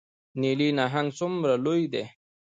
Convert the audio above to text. نیلي نهنګ څومره لوی دی؟